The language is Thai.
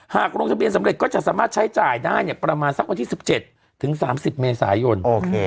หากลงทะเบียนสำเร็จก็จะสามารถใช้จ่ายได้ประมาณสักวันที่๑๗ถึง๓๐เมษายน